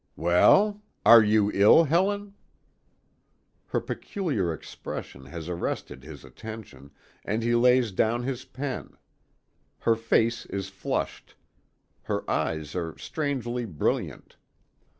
"Well? Are you ill, Helen?" Her peculiar expression has arrested his attention, and he lays down his pen. Her face is flushed. Her eyes are strangely brilliant.